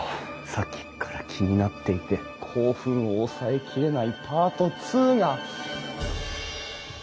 さっきっから気になっていて興奮を抑えきれないパート２が！